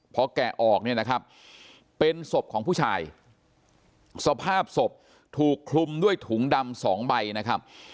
พอแกะออกเนี่ยนะครับเป็นศพของผู้ชายสภาพศพถูกคลุมด้วยถุงดำสองใบนะครับ